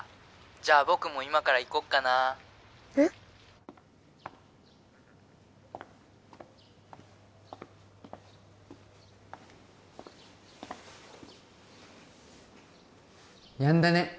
じゃあ僕も今から行こっかなえっ？やんだね